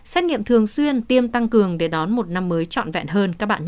xét nghiệm thường xuyên tiêm tăng cường để đón một năm mới trọn vẹn hơn